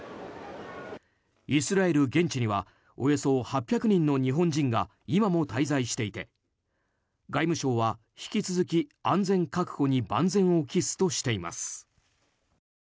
イスラエル現地にはおよそ８００人の日本人が今も滞在していて外務省は、引き続き安全確保に万全を期すとしています。